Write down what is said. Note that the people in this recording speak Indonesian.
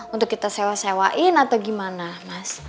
untuk kita sewa sewain atau gimana mas